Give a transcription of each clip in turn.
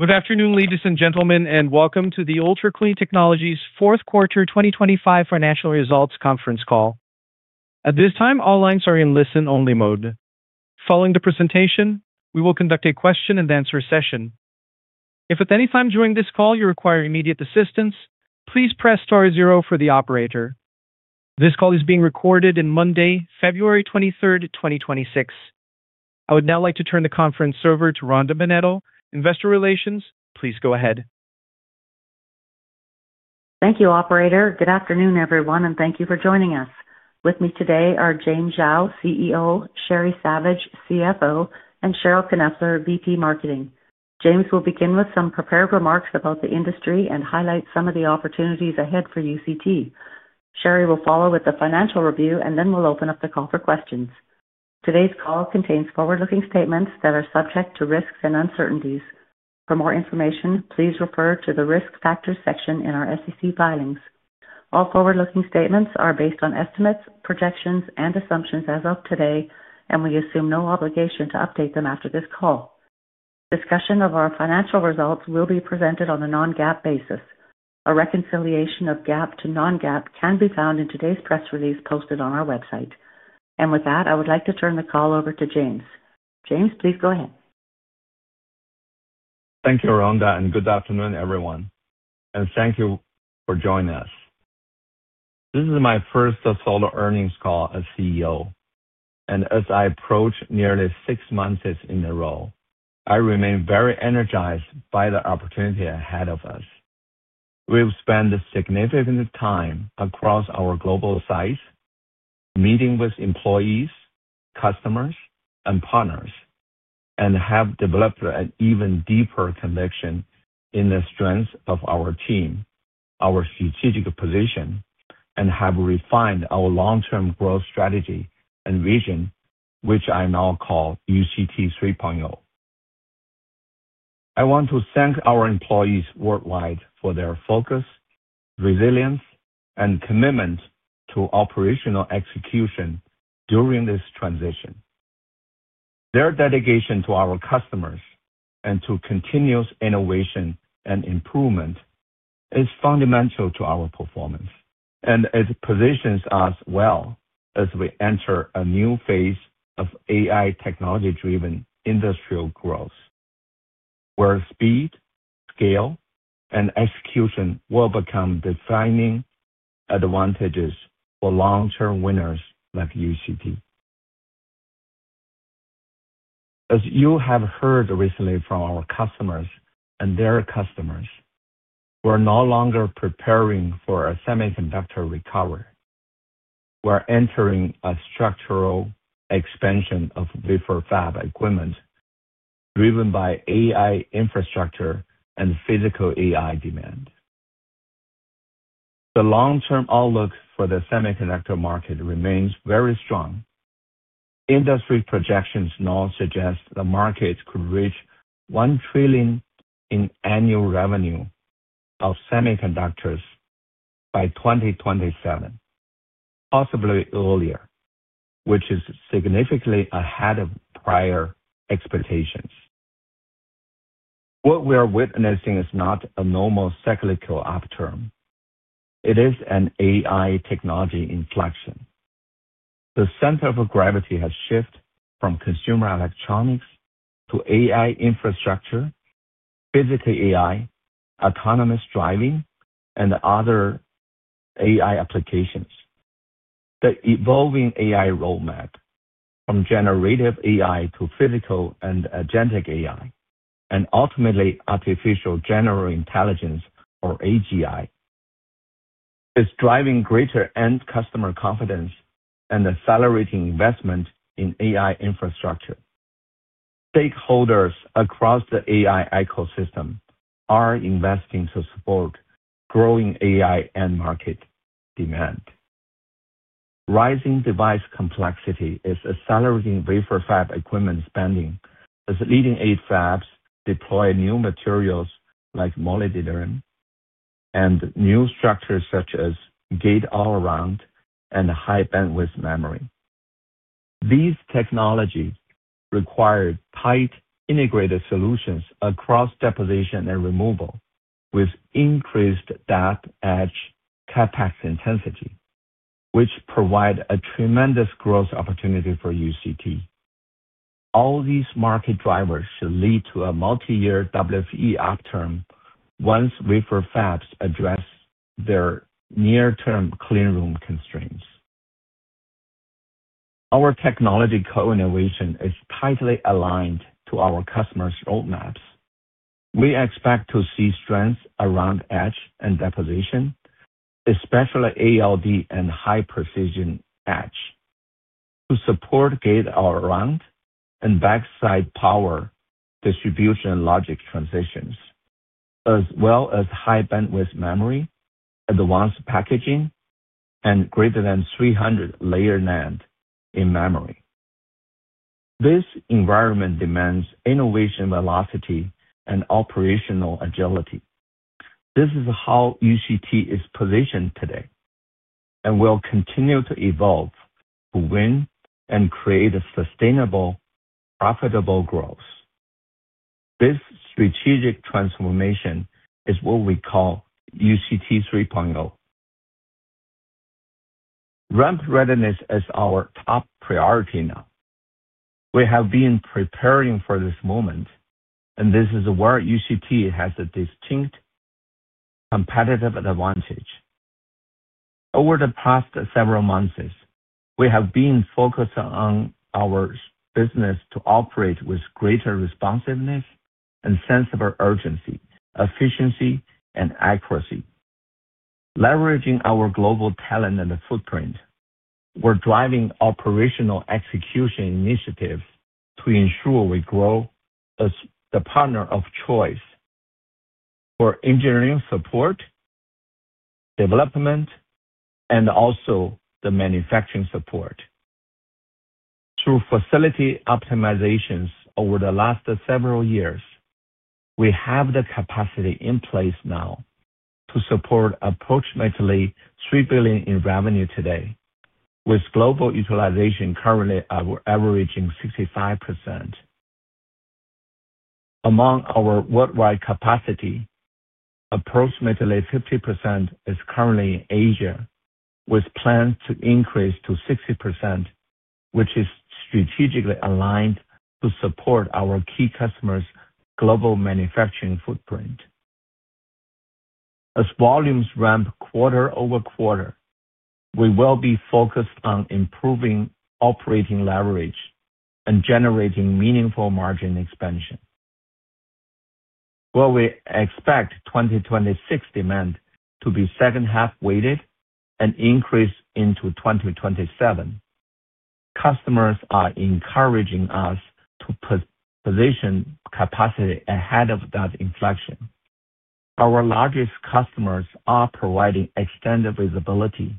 Good afternoon, ladies and gentlemen, and Welcome to the Ultra Clean Holdings Fourth Quarter 2025 Financial Results Conference Call. At this time, all lines are in listen-only mode. Following the presentation, we will conduct a question-and-answer session. If at any time during this call you require immediate assistance, please press zero for the operator. This call is being recorded on Monday, 23 February 2026. I would now like to turn the conference over to Rhonda Bennetto, Investor Relations. Please go ahead. Thank you, operator. Good afternoon, everyone, and thank you for joining us. With me today are James Xiao, CEO, Sheri Savage, CFO, and Cheryl Knepfler, VP Marketing. James will begin with some prepared remarks about the industry and highlight some of the opportunities ahead for UCT. Sheri will follow with the financial review, and then we'll open up the call for questions. Today's call contains forward-looking statements that are subject to risks and uncertainties. For more information, please refer to the Risk Factors section in our SEC filings. All forward-looking statements are based on estimates, projections, and assumptions as of today, and we assume no obligation to update them after this call. Discussion of our financial results will be presented on a non-GAAP basis. A reconciliation of GAAP to non-GAAP can be found in today's press release posted on our website. With that, I would like to turn the call over to James. James, please go ahead. Thank you, Rhonda. Good afternoon, everyone, and thank you for joining us. This is my first solo earnings call as CEO. As I approach nearly 6 months in the role, I remain very energized by the opportunity ahead of us. We've spent a significant time across our global sites, meeting with employees, customers, and partners, and have developed an even deeper conviction in the strength of our team, our strategic position, and have refined our long-term growth strategy and vision, which I now call UCT 3.0. I want to thank our employees worldwide for their focus, resilience, and commitment to operational execution during this transition. Their dedication to our customers and to continuous innovation and improvement is fundamental to our performance, and it positions us well as we enter a new phase of AI technology-driven industrial growth, where speed, scale, and execution will become defining advantages for long-term winners like UCT. As you have heard recently from our customers and their customers, we're no longer preparing for a semiconductor recovery. We're entering a structural expansion of wafer fab equipment driven by AI infrastructure and physical AI demand. The long-term outlook for the semiconductor market remains very strong. Industry projections now suggest the market could reach $1 trillion in annual revenue of semiconductors by 2027, possibly earlier, which is significantly ahead of prior expectations. What we are witnessing is not a normal cyclical upturn, it is an AI technology inflection. The center of gravity has shifted from consumer electronics to AI infrastructure, Physical AI, autonomous driving, and other AI applications. The evolving AI roadmap, from Generative AI to Physical AI and Agentic AI, and ultimately artificial general intelligence, or AGI, is driving greater end customer confidence and accelerating investment in AI infrastructure. Stakeholders across the AI ecosystem are investing to support growing AI end market demand. Rising device complexity is accelerating wafer fab equipment spending as leading-edge fabs deploy new materials like molybdenum and new structures such as Gate-All-Around and high-bandwidth memory. These technologies require tight integrated solutions across deposition and removal, with increased depth etch CapEx intensity, which provide a tremendous growth opportunity for UCT. All these market drivers should lead to a multi-year WFE upturn once wafer fabs address their near-term clean room constraints. Our technology co-innovation is tightly aligned to our customers' roadmaps. We expect to see strength around etch and deposition, especially ALD and high-precision etch, to support Gate-All-Around and backside power distribution logic transitions, as well as high-bandwidth memory, advanced packaging, and greater than 300 layer NAND in memory. This environment demands innovation, velocity, and operational agility. This is how UCT is positioned today. Will continue to evolve to win and create a sustainable, profitable growth. This strategic transformation is what we call UCT 3.0. Ramp readiness is our top priority now. We have been preparing for this moment, and this is where UCT has a distinct competitive advantage. Over the past several months, we have been focused on our business to operate with greater responsiveness and sense of urgency, efficiency, and accuracy. Leveraging our global talent and footprint, we're driving operational execution initiatives to ensure we grow as the partner of choice for engineering support, development, and also the manufacturing support. Through facility optimizations over the last several years, we have the capacity in place now to support approximately $3 billion in revenue today, with global utilization currently averaging 65%. Among our worldwide capacity, approximately 50% is currently in Asia, with plans to increase to 60%, which is strategically aligned to support our key customers' global manufacturing footprint. As volumes ramp quarter-over-quarter, we will be focused on improving operating leverage and generating meaningful margin expansion. While we expect 2026 demand to be second half weighted and increase into 2027, customers are encouraging us to put position capacity ahead of that inflection. Our largest customers are providing extended visibility,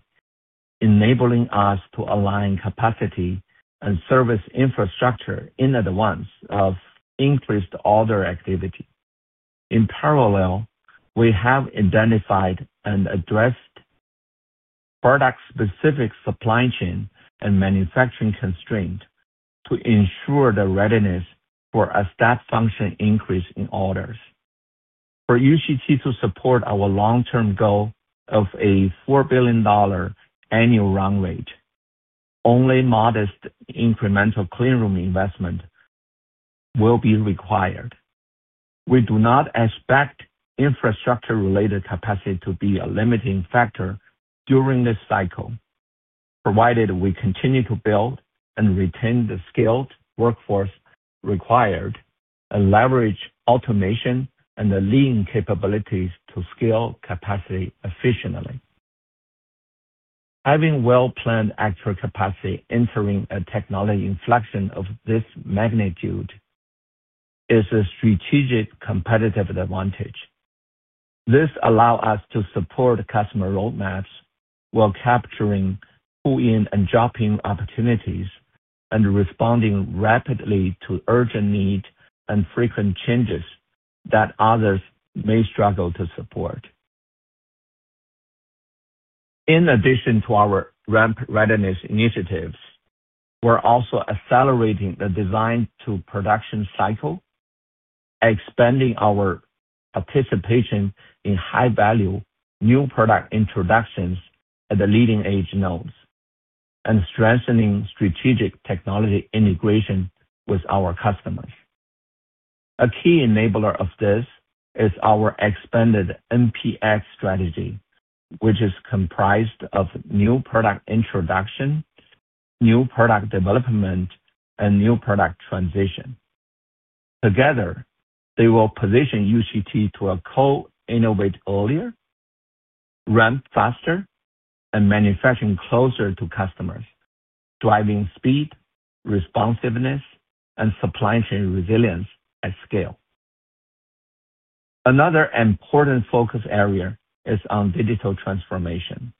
enabling us to align capacity and service infrastructure in advance of increased order activity. In parallel, we have identified and addressed product-specific supply chain and manufacturing constraints to ensure the readiness for a step function increase in orders. For UCT to support our long-term goal of a $4 billion annual run rate, only modest incremental clean room investment will be required. We do not expect infrastructure-related capacity to be a limiting factor during this cycle, provided we continue to build and retain the skilled workforce required and leverage automation and the lean capabilities to scale capacity efficiently. Having well-planned extra capacity entering a technology inflection of this magnitude is a strategic competitive advantage. This allow us to support customer roadmaps while capturing pull-in and drop-in opportunities, and responding rapidly to urgent need and frequent changes that others may struggle to support. In addition to our ramp readiness initiatives, we're also accelerating the design-to-production cycle, expanding our participation in high-value new product introductions at the leading-edge nodes, and strengthening strategic technology integration with our customers. A key enabler of this is our expanded NPX strategy, which is comprised of new product introduction, new product development, and new product transition. Together, they will position UCT to a co-innovate earlier, ramp faster, and manufacturing closer to customers, driving speed, responsiveness, and supply chain resilience at scale. Another important focus area is on digital transformation.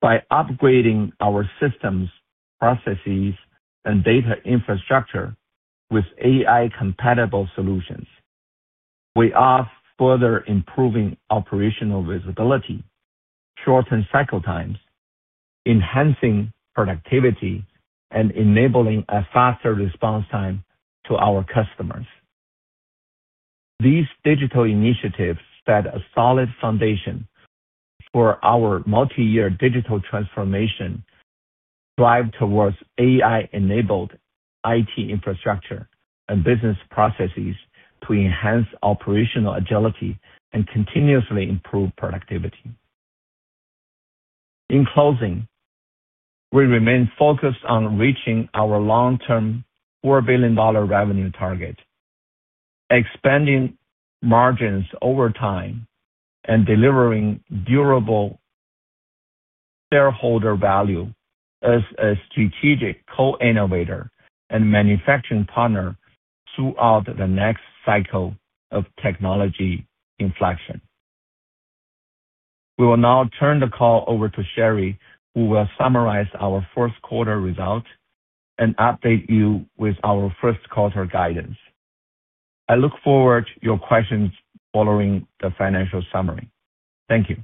By upgrading our systems, processes, and data infrastructure with AI-compatible solutions, we are further improving operational visibility, shortened cycle times, enhancing productivity, and enabling a faster response time to our customers. These digital initiatives set a solid foundation for our multi-year digital transformation, drive towards AI-enabled IT infrastructure and business processes to enhance operational agility and continuously improve productivity. In closing, we remain focused on reaching our long-term $4 billion revenue target, expanding margins over time, and delivering durable shareholder value as a strategic co-innovator and manufacturing partner throughout the next cycle of technology inflection. We will now turn the call over to Sheri, who will summarize our fourth quarter results and update you with our first quarter guidance. I look forward to your questions following the financial summary. Thank you.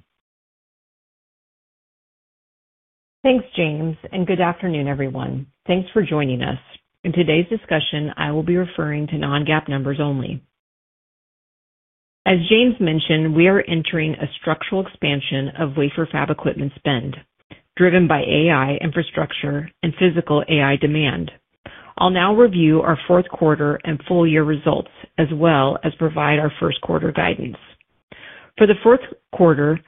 Thanks, James. Good afternoon, everyone. Thanks for joining us. In today's discussion, I will be referring to non-GAAP numbers only. As James mentioned, we are entering a structural expansion of wafer fab equipment spend, driven by AI infrastructure and physical AI demand. I'll now review our fourth quarter and full year results, as well as provide our first quarter guidance. For the fourth quarter,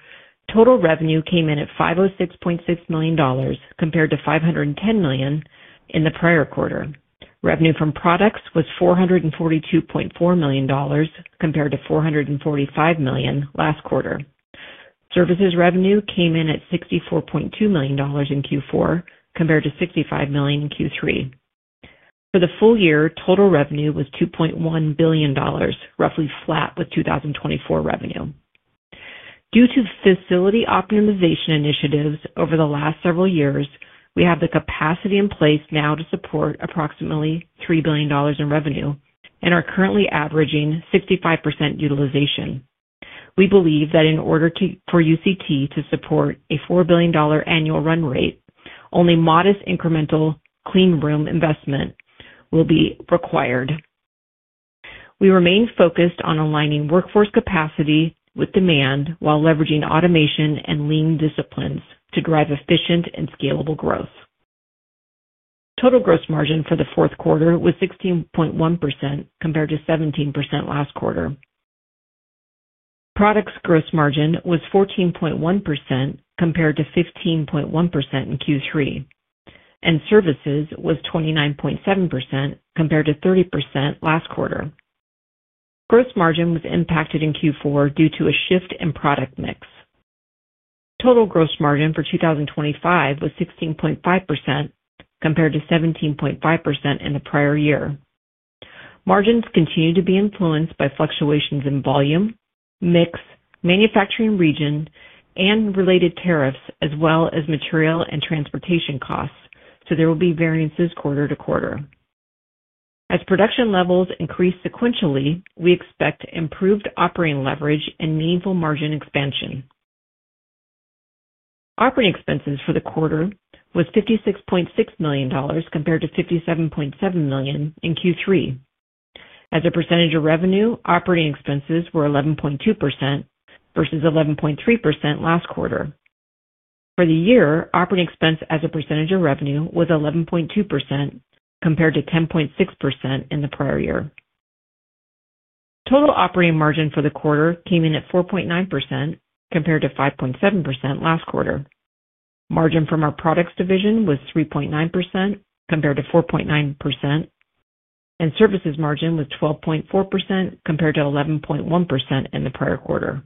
total revenue came in at $506.6 million, compared to $510 million in the prior quarter. Revenue from products was $442.4 million, compared to $445 million last quarter. Services revenue came in at $64.2 million in Q4, compared to $65 million in Q3. For the full year, total revenue was $2.1 billion, roughly flat with 2024 revenue. Due to facility optimization initiatives over the last several years, we have the capacity in place now to support approximately $3 billion in revenue and are currently averaging 65% utilization. We believe that for UCT to support a $4 billion annual run rate, only modest incremental clean room investment will be required. We remain focused on aligning workforce capacity with demand, while leveraging automation and lean disciplines to drive efficient and scalable growth. Total gross margin for the fourth quarter was 16.1%, compared to 17% last quarter. Products gross margin was 14.1%, compared to 15.1% in Q3, and services was 29.7%, compared to 30% last quarter. Gross margin was impacted in Q4 due to a shift in product mix. Total gross margin for 2025 was 16.5%, compared to 17.5% in the prior year. Margins continue to be influenced by fluctuations in volume, mix, manufacturing region, and related tariffs, as well as material and transportation costs, so there will be variances quarter to quarter. As production levels increase sequentially, we expect improved operating leverage and meaningful margin expansion. Operating expenses for the quarter was $56.6 million, compared to $57.7 million in Q3. As a percentage of revenue, operating expenses were 11.2% versus 11.3% last quarter. For the year, operating expense as a percentage of revenue was 11.2%, compared to 10.6% in the prior year. Total operating margin for the quarter came in at 4.9%, compared to 5.7% last quarter. Margin from our products division was 3.9%, compared to 4.9%, and services margin was 12.4%, compared to 11.1% in the prior quarter.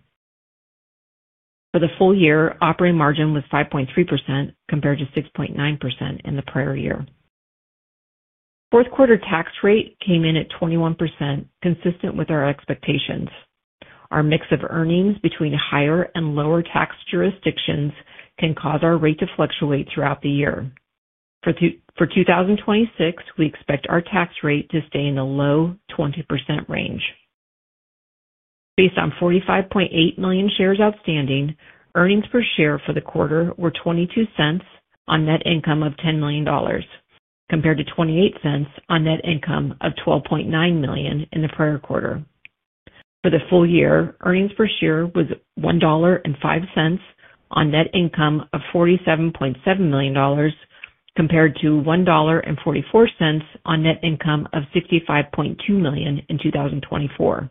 For the full year, operating margin was 5.3%, compared to 6.9% in the prior year. Fourth quarter tax rate came in at 21%, consistent with our expectations. Our mix of earnings between higher and lower tax jurisdictions can cause our rate to fluctuate throughout the year. For 2026, we expect our tax rate to stay in the low 20% range. Based on 45.8 million shares outstanding, earnings per share for the quarter were $0.22 on net income of $10 million, compared to $0.28 on net income of $12.9 million in the prior quarter. For the full year, earnings per share was $1.05 on net income of $47.7 million, compared to $1.44 on net income of $55.2 million in 2024.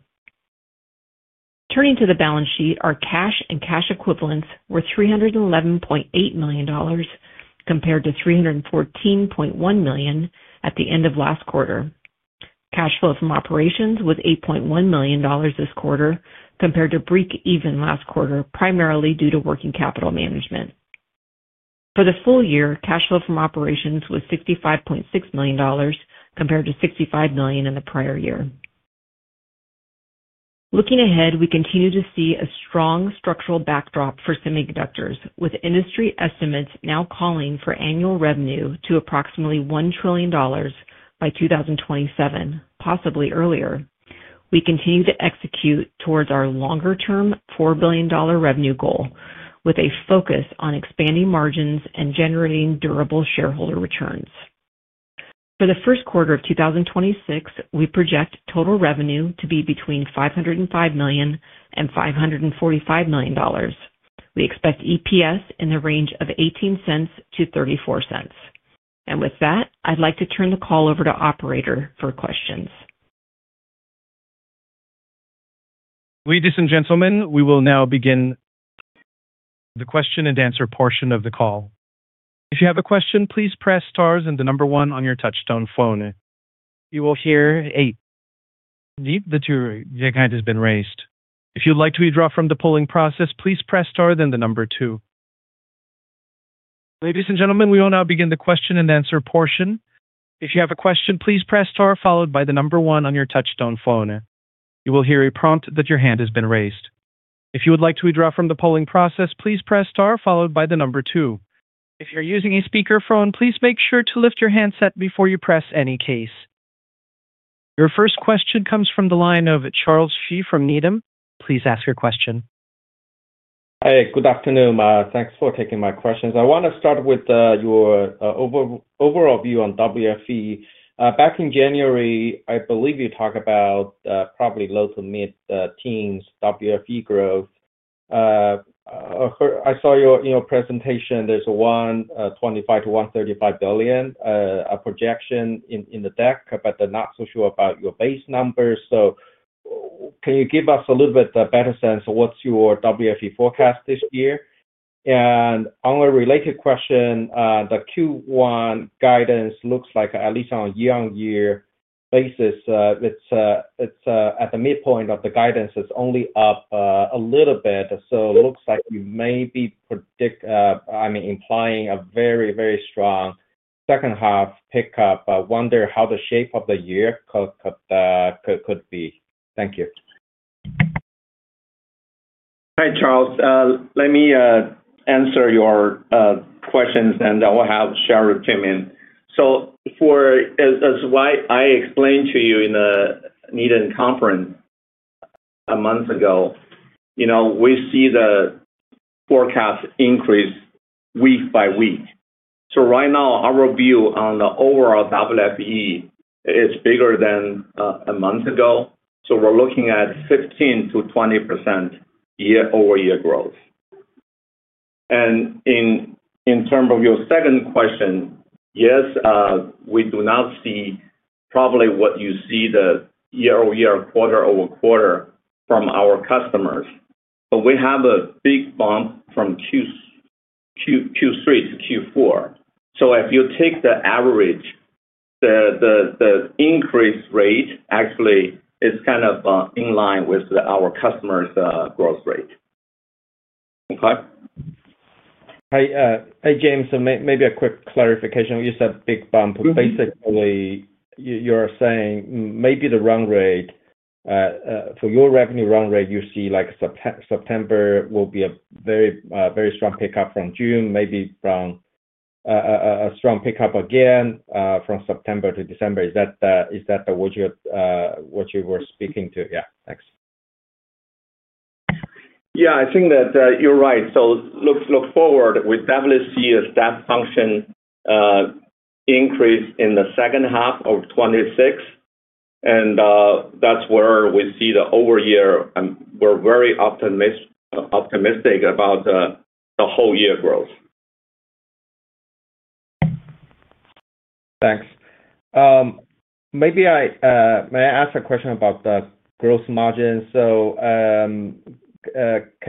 Turning to the balance sheet, our cash and cash equivalents were $311.8 million, compared to $314.1 million at the end of last quarter. Cash flow from operations was $8.1 million this quarter, compared to breakeven last quarter, primarily due to working capital management. For the full year, cash flow from operations was $65.6 million, compared to $65 million in the prior year. Looking ahead, we continue to see a strong structural backdrop for semiconductors, with industry estimates now calling for annual revenue to approximately $1 trillion by 2027, possibly earlier. We continue to execute towards our longer-term $4 billion revenue goal, with a focus on expanding margins and generating durable shareholder returns. For the first quarter of 2026, we project total revenue to be between $505 million and $545 million. We expect EPS in the range of $0.18-$0.34. With that, I'd like to turn the call over to operator for questions. Ladies and gentlemen, we will now begin the question and answer portion of the call. If you have a question, please press star and number one on your touchtone phone. You will hear a beep that your hand has been raised. If you'd like to withdraw from the polling process, please press star, then number two. Ladies and gentlemen, we will now begin the question and answer portion. If you have a question, please press star followed by number one on your touchtone phone. You will hear a prompt that your hand has been raised. If you would like to withdraw from the polling process, please press star, followed by number two. If you're using a speakerphone, please make sure to lift your handset before you press any key. Your first question comes from the line of Charles Shi from Needham. Please ask your question. Hey, good afternoon. Thanks for taking my questions. I want to start with your overall view on WFE. Back in January, I believe you talked about probably low-to-mid teens WFE growth. I saw your presentation, there's a one, $25 billion-$135 billion projection in the deck, but they're not so sure about your base numbers. Can you give us a little bit better sense of what's your WFE forecast this year? On a related question, the Q1 guidance looks like, at least on a year-on-year basis, it's, at the midpoint of the guidance, it's only up a little bit. It looks like you may be predict, I mean, implying a very, very strong second half pickup. I wonder how the shape of the year could, could, could be. Thank you. Hi, Charles. Let me answer your questions, and I will have Sharon chime in. For- as, as what I explained to you in the Needham conference a month ago, you know, we see the forecast increase week by week. Right now, our view on the overall WFE is bigger than a month ago. We're looking at 15%-20% year-over-year growth. In, in terms of your second question, yes, we do not see probably what you see the year-over-year, quarter-over-quarter from our customers, but we have a big bump from Q2, Q3 to Q4. If you take the average, the, the, the increase rate actually is kind of in line with our customers growth rate. Okay? Hi, hi, James. maybe a quick clarification. You said big bump. Basically, you, you're saying maybe the run rate for your revenue run rate, you see like September will be a very strong pickup from June, maybe from a strong pickup again from September to December. Is that the, is that what you what you were speaking to? Yeah. Thanks. Yeah, I think that, you're right. Look, look forward, we definitely see a step function, increase in the second half of 2026, and, that's where we see the year-over-year, and we're very optimistic about the, the whole year growth. Thanks. May I ask a question about the gross margin? Can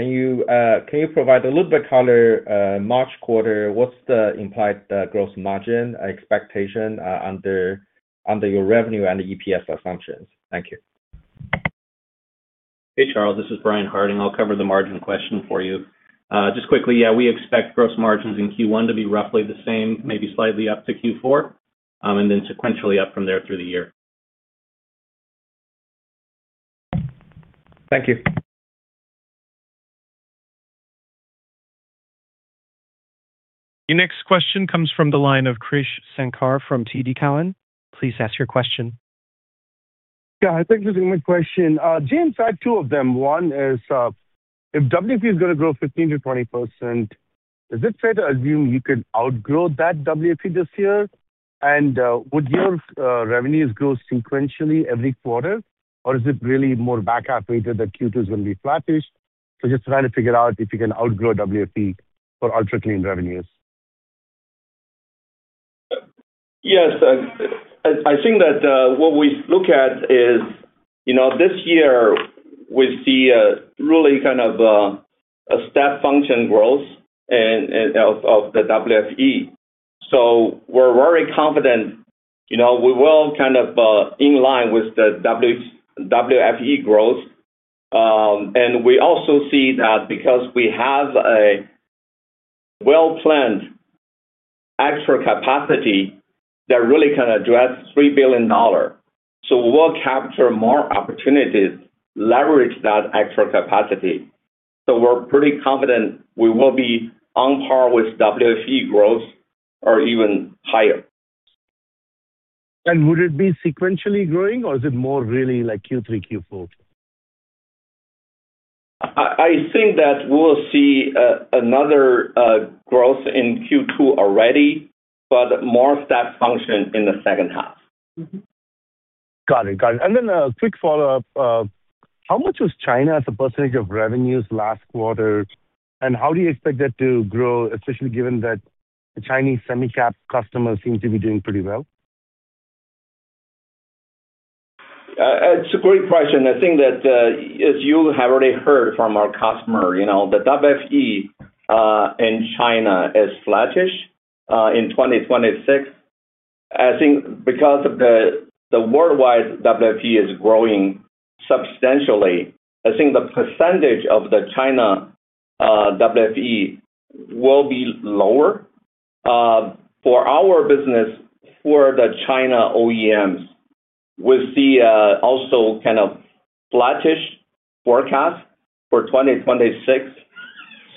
you provide a little bit color, March quarter, what's the implied gross margin expectation under your revenue and EPS assumptions? Thank you. Hey, Charles, this is Brian Harding. I'll cover the margin question for you. Just quickly, yeah, we expect gross margins in Q1 to be roughly the same, maybe slightly up to Q4, and then sequentially up from there through the year. Thank you. Your next question comes from the line of Krish Sankar from TD Cowen. Please ask your question. Yeah, thank you for taking my question. James, I have two of them. One is, if WFE is going to grow 15%-20%, is it fair to assume you could outgrow that WFE this year? Would your revenues grow sequentially every quarter, or is it really more back-half weighted that Q2 is going to be flattish? Just trying to figure out if you can outgrow WFE for Ultra Clean revenues. Yes, I think that, what we look at is, you know, this year we see a really kind of, a step function growth and of the WFE. We're very confident, you know, we will kind of, in line with the WFE growth. We also see that because we have a well-planned extra capacity, that really can address $3 billion. We will capture more opportunities, leverage that extra capacity. We're pretty confident we will be on par with WFE growth or even higher. Would it be sequentially growing, or is it more really like Q3, Q4? I think that we'll see another growth in Q2 already, but more of that function in the second half. Got it. Then a quick follow-up. How much was China as a % of revenues last quarter, and how do you expect that to grow, especially given that the Chinese semi-cap customers seem to be doing pretty well? It's a great question. I think that, as you have already heard from our customer, you know, the WFE in China is flattish in 2026. I think because of the, the worldwide WFE is growing substantially, I think the % of the China WFE will be lower. For our business, for the China OEMs, we see also kind of flattish forecast for 2026.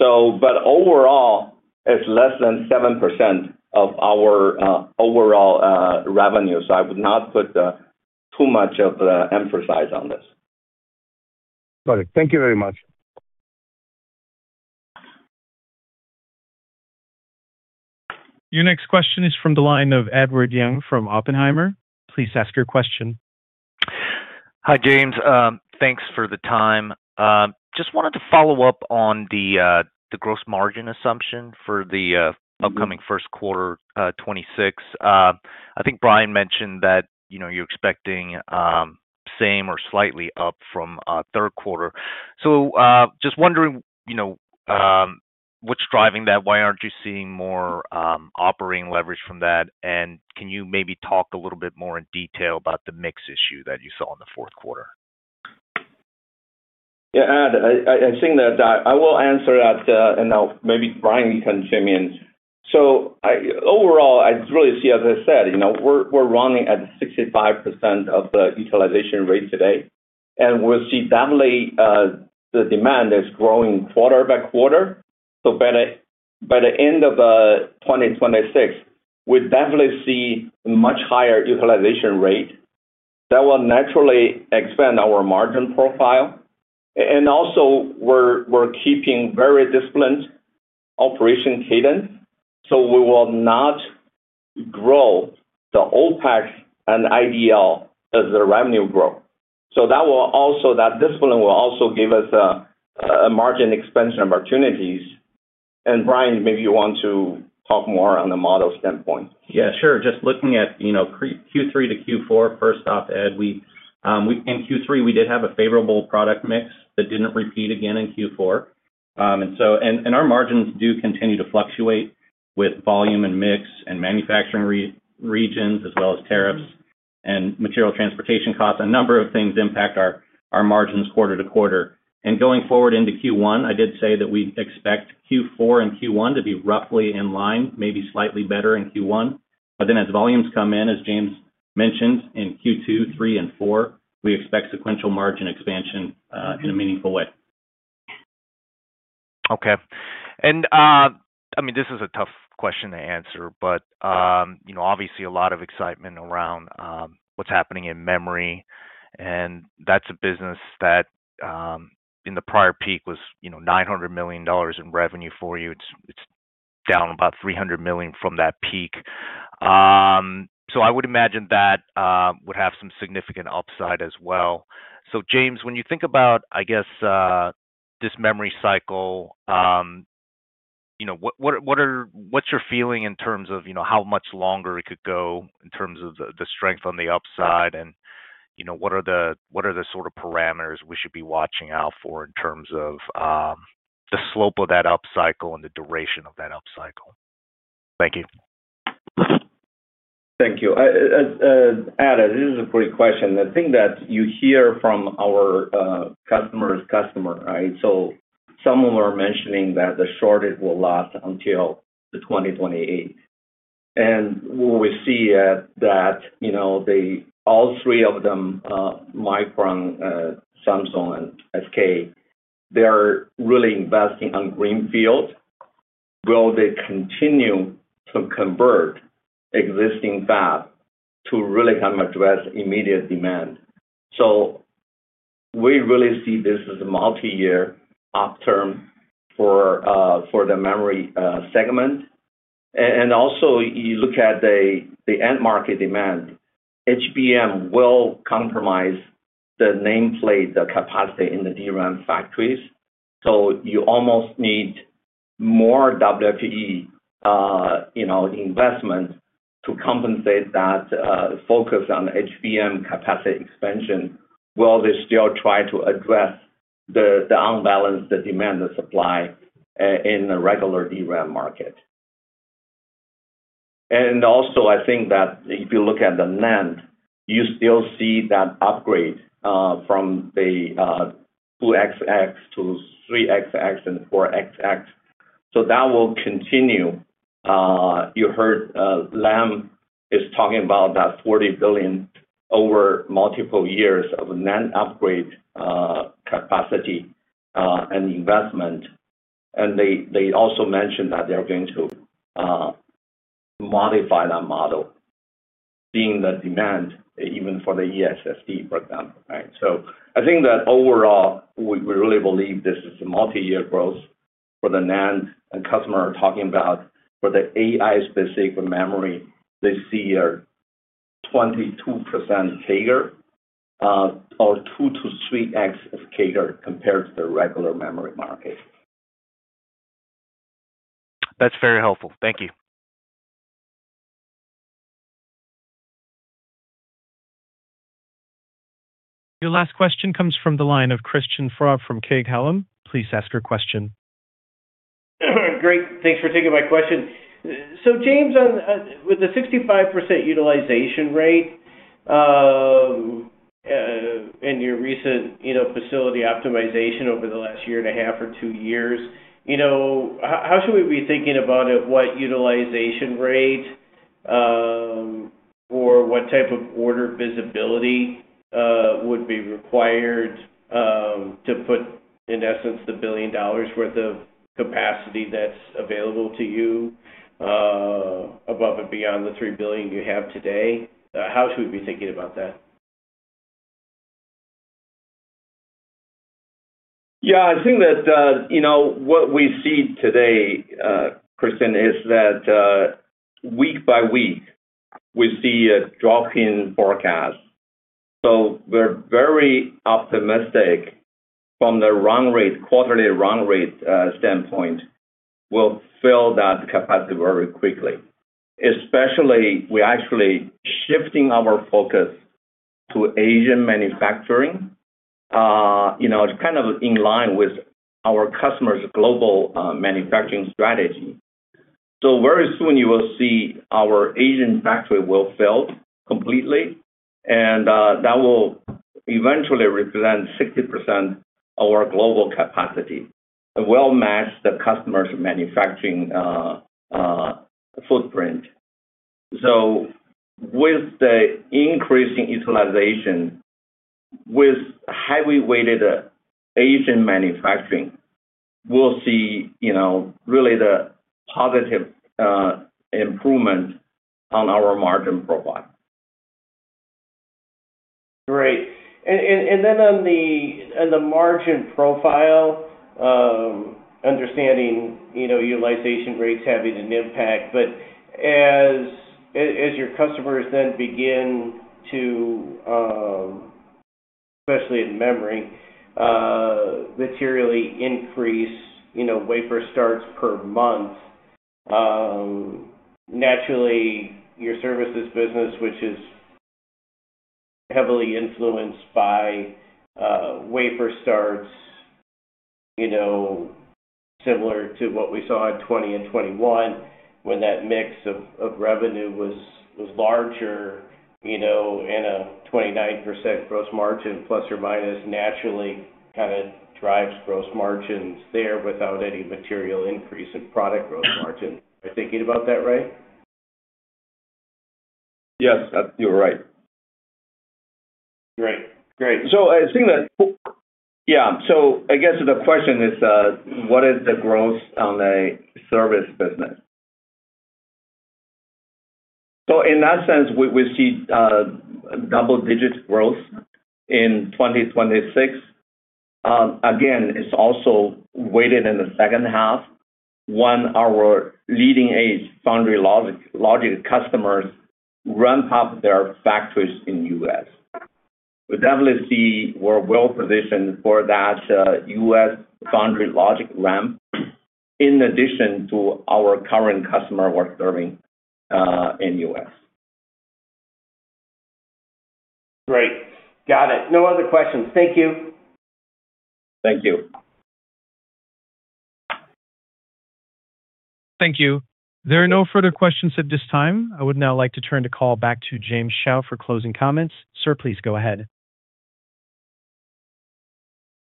Overall, it's less than 7% of our overall revenue. I would not put too much of the emphasis on this. Got it. Thank you very much. Your next question is from the line of Edward Yang from Oppenheimer. Please ask your question. Hi, James. Thanks for the time. Just wanted to follow up on the, the gross margin assumption for the upcoming first quarter, 2026. I think Brian mentioned that, you know, you're expecting same or slightly up from third quarter. Just wondering, you know, what's driving that? Why aren't you seeing more operating leverage from that? Can you maybe talk a little bit more in detail about the mix issue that you saw in the fourth quarter? Yeah, Ed I've seen that. I will answer that, and now maybe Brian can chime in. I overall, I really see, as I said we're running at 65% of the utilization rate today, and we'll see definitely, the demand is growing quarter by quarter. By the end of 2026, we definitely see much higher utilization rate that will naturally expand our margin profile. Also we're, we're keeping very disciplined operation cadence, so we will not grow the OPEX and IDL as the revenue grow. That will also, that discipline will also give us a, a margin expansion opportunities. Brian, maybe you want to talk more on the model standpoint. Yeah, sure. Just looking at, you know, pre, Q3 to Q4, first off, Ed, we in Q3, we did have a favorable product mix that didn't repeat again in Q4. So, our margins do continue to fluctuate with volume and mix and manufacturing regions, as well as tariffs and material transportation costs. A number of things impact our, our margins quarter to quarter. Going forward into Q1, I did say that we expect Q4 and Q1 to be roughly in line, maybe slightly better in Q1. Then as volumes come in, as James mentioned, in Q2, three, and four, we expect sequential margin expansion in a meaningful way. Okay. I mean, this is a tough question to answer, but, you know, obviously a lot of excitement around what's happening in memory, and that's a business that in the prior peak was, you know, $900 million in revenue for you. It's, it's down about $300 million from that peak. I would imagine that would have some significant upside as well. James, when you think about, I guess, this memory cycle, you know, what are, what's your feeling in terms of, you know, how much longer it could go in terms of the, the strength on the upside? You know, what are the, what are the sort of parameters we should be watching out for in terms of the slope of that upcycle and the duration of that upcycle? Thank you. Thank you. Ed, this is a great question. The thing that you hear from our customer's customer, right? Some of them are mentioning that the shortage will last until the 2028. We see that, you know, all three of them, Micron, Samsung and SK, they are really investing on Greenfield, while they continue to convert existing fab to really come address immediate demand. We really see this as a multi-year op term for the memory segment. Also, you look at the end market demand, HBM will compromise the nameplate, the capacity in the DRAM factories, so you almost need more WFE, you know, investment to compensate that focus on HBM capacity expansion, while they still try to address the unbalance, the demand and supply in the regular DRAM market. Also, I think that if you look at the NAND, you still see that upgrade from the 2xx to 3xx and four XX. That will continue. You heard Lam is talking about that $40 billion over multiple years of NAND upgrade capacity and investment. They, they also mentioned that they're going to modify that model being the demand, even for the ESSD, for example, right? I think that overall, we, we really believe this is a multi-year growth for the NAND and customer are talking about for the AI-specific memory, they see a 22% bigger, or 2-3x of CAGR compared to the regular memory market. That's very helpful. Thank you. Your last question comes from the line of Christian Schwab from Craig-Hallum. Please ask your question. Great. Thanks for taking my question. James, on, with the 65% utilization rate and your recent, you know, facility optimization over the last year and a half or two years how should we be thinking about it? What utilization rate, or what type of order visibility, would be required, to put, in essence, the $1 billion worth of capacity that's available to you, above and beyond the $3 billion you have today? How should we be thinking about that? Yeah, I think that, you know, what we see today, Christian, is that, week by week, we see a drop in forecast. We're very optimistic from the run rate, quarterly run rate, standpoint. We'll fill that capacity very quickly. Especially, we're actually shifting our focus to Asian manufacturing. You know, it's kind of in line with our customer's global manufacturing strategy. Very soon you will see our Asian factory will fill completely, and that will eventually represent 60% of our global capacity, and will match the customer's manufacturing footprint. With the increasing utilization, with highly weighted Asian manufacturing, we'll see, you know, really the positive improvement on our margin profile. Great. Then on the, on the margin profile, understanding, you know, utilization rates having an impact, but as, as your customers then begin to, especially in memory, materially increase, you know, wafer starts per month, naturally, your services business, which is heavily influenced by, wafer starts, you know, similar to what we saw in 2020 and 2021, when that mix of, of revenue was, was larger and a 29% gross margin, ±, naturally kind of drives gross margins there without any material increase in product growth margin. Am I thinking about that right? Yes, you are right. Great. Great. I think that yeah, so I guess the question is, what is the growth on the service business? In that sense we see, double-digit growth in 2026. Again, it's also weighted in the second half, one, our leading-edge foundry logic, logic customers ramp up their factories in U.S. We definitely see we're well positioned for that, U.S. foundry logic ramp, in addition to our current customer we're serving, in U.S. Great. Got it. No other questions. Thank you. Thank you. Thank you. There are no further questions at this time. I would now like to turn the call back to James Xiao for closing comments. Sir, please go ahead.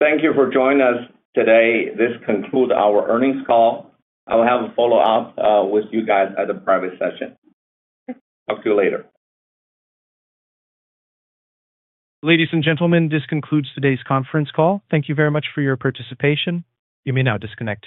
Thank you for joining us today. This concludes our earnings call. I will have a follow-up with you guys at a private session. Talk to you later. Ladies and gentlemen, this concludes today's conference call. Thank you very much for your participation. You may now disconnect.